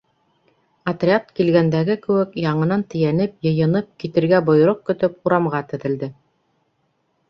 Отряд, килгәндәге кеүек, яңынан тейәнеп, йыйынып, китергә бойороҡ көтөп, урамға теҙелде.